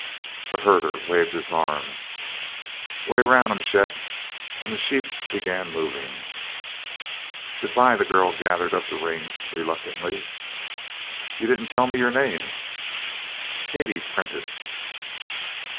The herder waved his arm. "Way 'round 'em, Shep," and the sheep began moving. "Good bye," the girl gathered up the reins reluctantly. "You didn't tell me your name." "Katie Prentice."